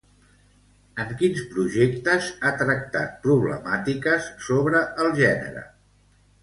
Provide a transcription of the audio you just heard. En quins projectes ha tractat problemàtiques sobre el gènere?